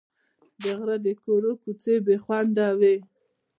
د غره د کورو کوڅې بې خونده وې.